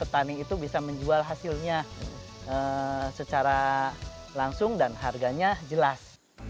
petani itu bisa menjual hasilnya secara langsung dan harganya jelas